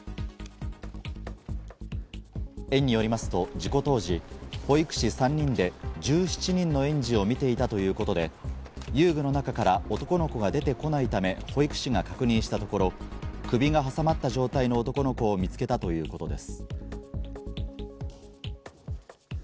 園によりますと事故当時、保育士３人で１７人の園児を見ていたということで、遊具の中から男の子が出てこないため保育士が確認したところ、首が挟まった状態の男の子を見つけたということです。